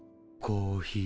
コーヒー。